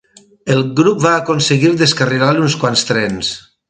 El grup va aconseguir descarrilar uns quants trens.